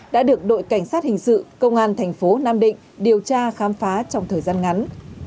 đã được đội cảnh sát hình sự công an thành phố nam định điều tra khám phá trong thời gian ngắn